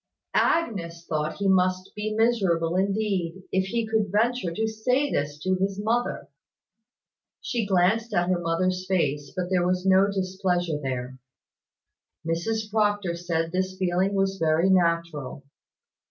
Agnes thought he must be miserable indeed, if he could venture to say this to his mother. She glanced at her mother's face; but there was no displeasure there. Mrs Proctor said this feeling was very natural.